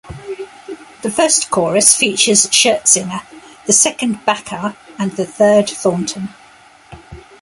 The first chorus features Scherzinger, the second Bacar and the third Thornton.